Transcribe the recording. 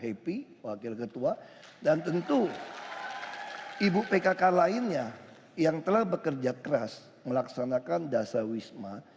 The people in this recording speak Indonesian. saya juga berterima kasih kepada wakil ketua dan tentu ibu pkk lainnya yang telah bekerja keras melaksanakan dasar wisma